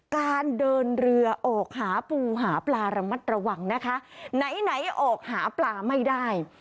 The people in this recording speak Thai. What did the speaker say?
การเดินเรือออกหาปูหาปลาระมัดระวังนะคะไหนไหนออกหาปลาไม่ได้